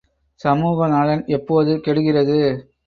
சமூக நலன் எப்போது கெடுகிறது?